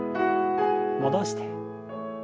戻して。